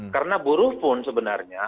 karena buruh pun sebenarnya